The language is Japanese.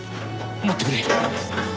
待ってくれ。